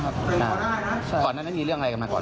ที่พนันเนอะ